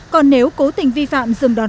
còn nếu cố tình vi phạm dừng đòn